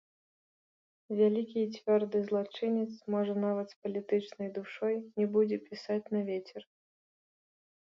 Вялікі і цвёрды злачынец, можа нават з палітычнай душой, не будзе пісаць на вецер.